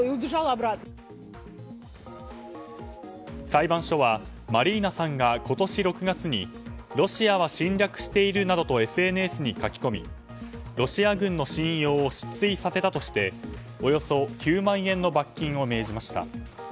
裁判所は、マリーナさんが今年６月にロシアは侵略しているなどとＳＮＳに書き込みロシア軍の信用を失墜させたとしておよそ９万円の罰金を命じました。